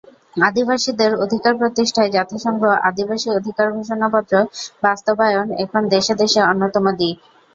আদিবাসীদের অধিকার প্রতিষ্ঠায় জাতিসংঘ আদিবাসী-অধিকার ঘোষণাপত্র বাস্তবায়ন এখন দেশে দেশে অন্যতম দিক।